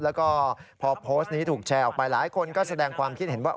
แล้วก็พอโพสต์นี้ถูกแชร์ออกไปหลายคนก็แสดงความคิดเห็นว่า